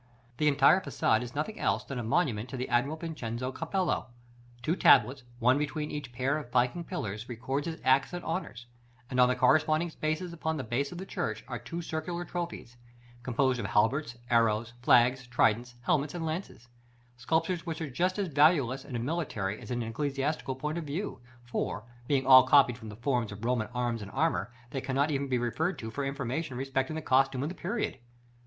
The entire façade is nothing else than a monument to the Admiral Vincenzo Cappello. Two tablets, one between each pair of flanking pillars, record his acts and honors; and, on the corresponding spaces upon the base of the church, are two circular trophies, composed of halberts, arrows, flags, tridents, helmets, and lances: sculptures which are just as valueless in a military as in an ecclesiastical point of view; for, being all copied from the forms of Roman arms and armor, they cannot even be referred to for information respecting the costume of the period.